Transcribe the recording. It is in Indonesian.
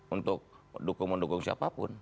untuk mendukung siapapun